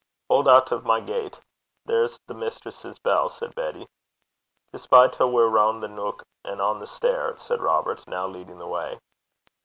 'Haud oot o' my gait. There's the mistress's bell,' said Betty. 'Jist bide till we're roon' the neuk and on to the stair,' said Robert, now leading the way.